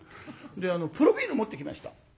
でプロフィール持ってきました。